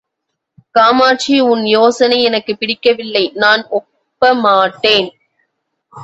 காமாட்சி உன் யோசனை எனக்குப் பிடிக்கவில்லை நான் ஒப்ப மாட்டேன்.